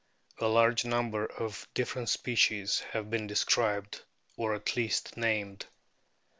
A large number of different species have been described or at least named.